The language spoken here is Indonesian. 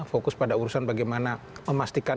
fokus pada urusan bagaimana memastikan